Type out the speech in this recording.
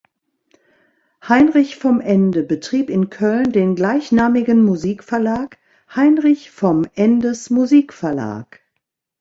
Heinrich vom Ende betrieb in Köln den gleichnamigen Musikverlag "(Heinrich vom Ende’s Musikverlag)".